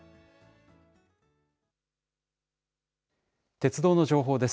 鉄道の情報です。